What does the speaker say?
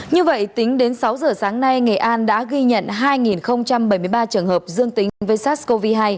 như vậy tính đến sáu giờ sáng nay nghệ an đã ghi nhận hai bảy mươi ba trường hợp dương tính với sars cov hai